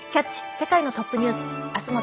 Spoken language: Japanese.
世界のトップニュース」。